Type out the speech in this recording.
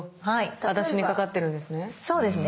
私にかかってるんですね。